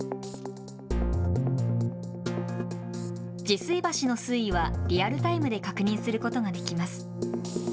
治水橋の水位はリアルタイムで確認することができます。